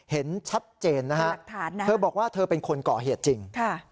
เห็นชัดเจนนะฮะเธอบอกว่าเธอเป็นคนก่อเหตุจริง